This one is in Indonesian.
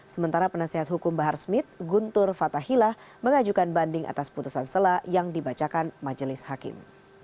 sementara penasehat hukum bahar smith guntur fathahilah mengajukan banding atas putusan selah yang dibacakan majelis hakim